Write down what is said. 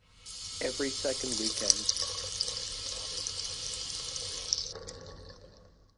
Every second weekend he would stay at his father's condo in Montreal proper.